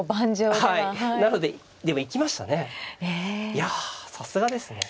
いやさすがですね。